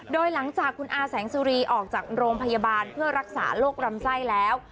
โดยหลังจากคุณอาแสงสุรีออกจากโรงพยาบาลเพื่อรักษาโรคลำไส้แล้ว